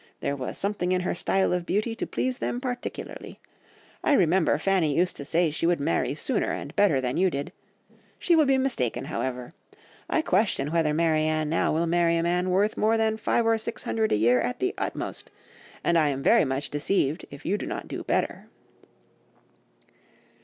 There was something in her style of beauty to please them particularly. I remember Fanny used to say she would marry sooner and better than you did; she will be mistaken, however. I question whether Marianne now will marry a man worth more than five or six hundred a year at the utmost, and I am very much deceived if you do not do better.